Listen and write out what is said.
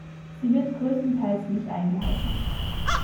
Sie wird größtenteils nicht eingehalten.